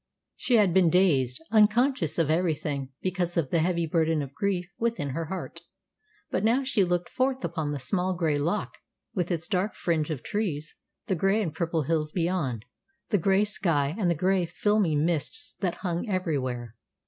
She had been dazed, unconscious of everything, because of the heavy burden of grief within her heart. But now she looked forth upon the small, grey loch, with its dark fringe of trees, the grey and purple hills beyond, the grey sky, and the grey, filmy mists that hung everywhere.